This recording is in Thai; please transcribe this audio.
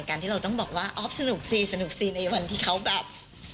ที่เราต้องบอกว่าออฟสนุกสิสนุกสิในวันที่เขาแบบ